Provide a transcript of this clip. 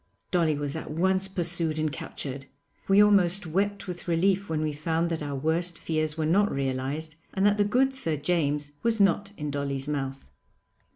Dolly was at once pursued and captured. We almost wept with relief when we found that our worst fears were not realised and that the good Sir James was not in Dolly's mouth.